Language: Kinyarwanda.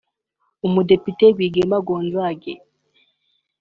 Depite Rwigema Gonzague